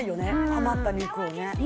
はまった肉をね